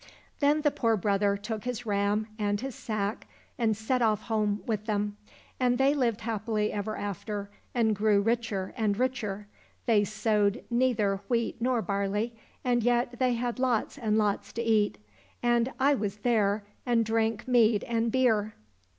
Then the poor brother took his ram and his sack, and set off home with them. And they lived happily ever after, and grew richer and richer. They sowed neither wheat nor barley, and yet they had lots and lots to eat. And I was there, and drank mead and beer.